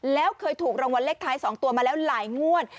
แล้วเคยถูกรางวัลเลขท้าย๒ตัวมาแล้วหลายงวด